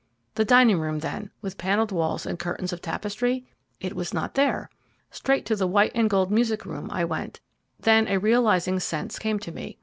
The dining room then, with panelled walls and curtains of tapestry? It was not there! Straight to the white and gold music room I went. Then a realizing sense came to me.